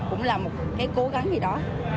cũng là một cái cố gắng gì đó